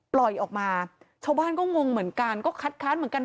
ปล่อยออกมาชาวบ้านก็งงเหมือนกันก็คัดค้านเหมือนกัน